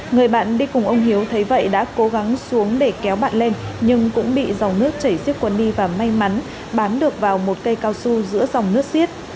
người bạn đi cùng ông hiếu thấy vậy đã cố gắng xuống để kéo bạn lên nhưng cũng bị dòng nước chảy siết quần đi và may mắn bám được vào một cây cao su giữa dòng nước siết